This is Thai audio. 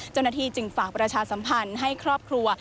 เจ้าหน้าที่จึงฝากประชาสัมพันธ์ให้ครอบครัว